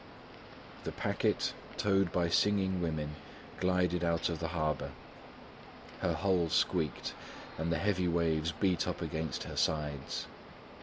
The packet, towed by singing women, glided out of the harbour. Her hull squeaked and the heavy waves beat up against her sides.